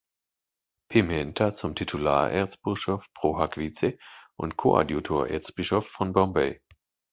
Pimenta zum Titularerzbischof "pro hac vice" und Koadjutorerzbischof von Bombay.